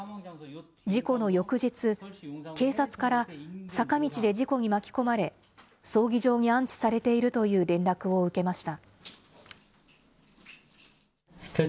事故の翌日、警察から、坂道で事故に巻き込まれ、葬儀場に安置されているという連絡を受けました。